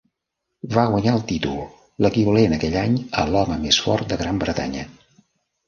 Va guanyar el títol, l'equivalent aquell any a l'Home més fort de Gran Bretanya.